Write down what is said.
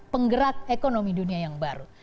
penggerak ekonomi dunia yang baru